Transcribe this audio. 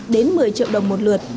đến một mươi triệu đồng một lượt